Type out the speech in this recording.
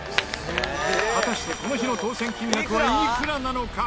果たしてこの日の当せん金額はいくらなのか？